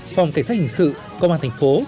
phòng cảnh sát hình sự công an thành phố